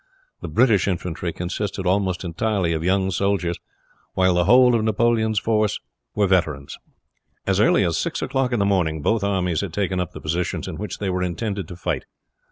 The British infantry consisted almost entirely of young soldiers; while the whole of Napoleon's force were veterans. As early as six o'clock in the morning both armies had taken up the positions in which they were intended to fight.